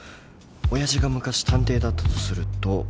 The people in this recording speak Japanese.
親父が昔探偵だったとすると